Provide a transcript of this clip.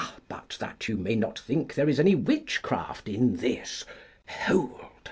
But, that you may not think there is any witchcraft in this, hold!